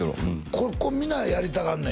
ここみんなやりたがんねん